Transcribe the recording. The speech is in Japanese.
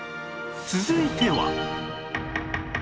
続いては